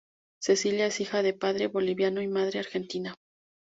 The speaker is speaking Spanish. Cecilia es hija de padre boliviano y madre argentina.